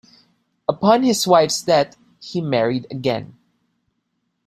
Upon his wife's death he married again.